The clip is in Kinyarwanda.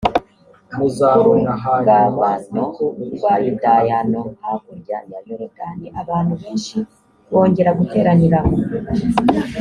ku rugabano rwa yudaya no hakurya ya yorodani abantu benshi bongera guteranira aho